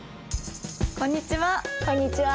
こんにちは。